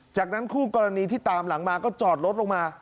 จากนั้นคู่กรณีที่ตามหลังมาก็จอดรถลงมา